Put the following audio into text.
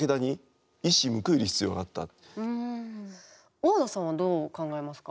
小和田さんはどう考えますか。